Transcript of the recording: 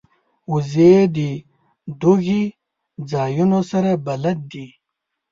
وزې د دوږی ځایونو سره بلد دي